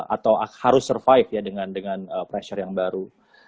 atau harus survive ya dengan pressure yang baru